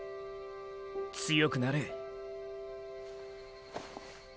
強くなれ。